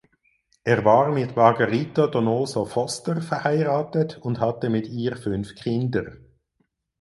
Er war mit Margarita Donoso Foster verheiratet und hatte mit ihr fünf Kinder.